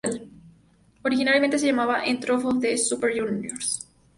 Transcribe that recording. Originalmente se llamaba el Top of the Super Juniors.